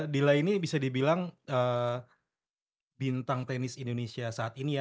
dila ini bisa dibilang bintang tenis indonesia saat ini ya